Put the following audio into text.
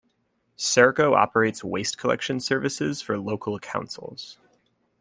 Serco operates waste collection services for local councils.